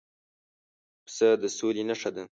پسه د سولې نښه ده.